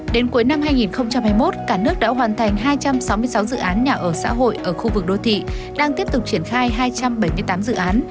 đến cuối năm hai nghìn hai mươi một cả nước đã hoàn thành hai trăm sáu mươi sáu dự án nhà ở xã hội ở khu vực đô thị đang tiếp tục triển khai hai trăm bảy mươi tám dự án